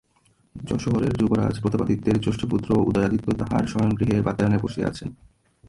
যশোহরের যুবরাজ, প্রতাপাদিত্যের জ্যেষ্ঠ পুত্র, উদয়াদিত্য তাঁহার শয়নগৃহের বাতায়নে বসিয়া আছেন।